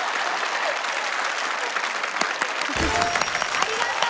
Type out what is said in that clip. ありがとう！